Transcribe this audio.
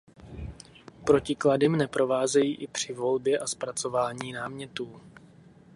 Protiklady mne provázejí i při volbě a zpracování námětů.